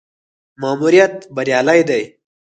ماموریت بریالی دی.